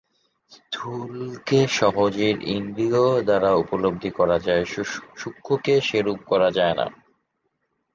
স্থূলকে সহজেই ইন্দ্রিয় দ্বারা উপলব্ধি করা যায়, সূক্ষ্মকে সেরূপ করা যায় না।